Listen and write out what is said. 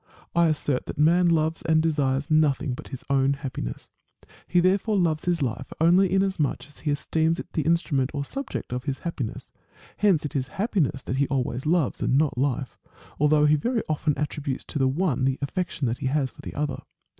I assert that man loves and desires nothing but his own happiness. He therefore loves his life only inasmuch as he esteems it the instrument or subject of his happiness. Hence it is happiness that he always loves, and not life ; although he very often attributes to the one the affection he has for the other.